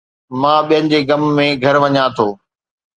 مان ٻين جي غم ۾ گهر وڃان ٿو